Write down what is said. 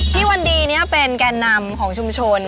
วันดีนี้เป็นแก่นำของชุมชน